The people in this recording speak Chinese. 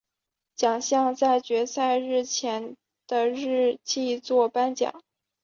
奖项会在决赛日前的夜祭作颁奖。